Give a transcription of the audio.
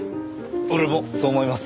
俺もそう思います。